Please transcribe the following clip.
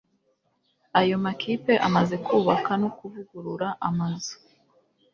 ayo makipe amaze kubaka no kuvugurura amazu